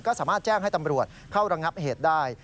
ก็สามารถแจ้งให้ตำรวจเข้าระงับเหตุได้